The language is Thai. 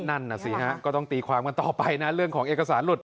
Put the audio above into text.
นั่นน่ะสิฮะก็ต้องตีความกันต่อไปนะเรื่องของเอกสารหลุด